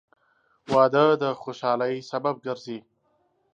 • واده د خوشحالۍ سبب ګرځي.